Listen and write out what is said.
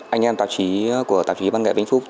anh em tạp chí của tạp chí văn nghệ vĩnh phúc